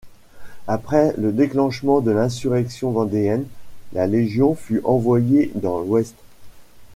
Après le déclenchement de l’insurrection vendéenne, la légion fut envoyée dans l'Ouest.